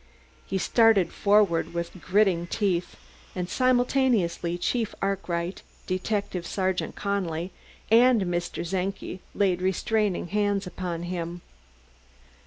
He started forward, with gritting teeth, and simultaneously Chief Arkwright, Detective Sergeant Connelly and Mr. Czenki laid restraining hands upon him.